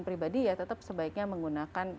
pribadi ya tetap sebaiknya menggunakan